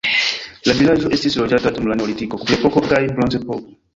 La vilaĝo estis loĝata dum la neolitiko, kuprepoko kaj bronzepoko.